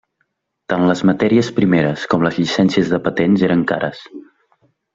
Tant les matèries primeres com les llicències de patents eren cares.